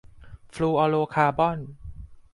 ฟลูออโรคาร์บอน